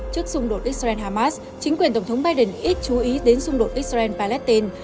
trước xung đột israel hamas chính quyền tổng thống biden ít chú ý đến xung đột israel palestine